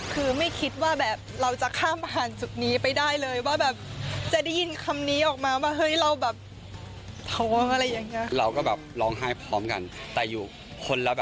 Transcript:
คือไม่คิดว่าแบบเราจะข้ามผ่านจุดนี้ไปได้เลยว่าแบบจะได้ยินคำนี้ออกมาว่าเฮ้ยเราแบบท้องอะไรอย่างนี้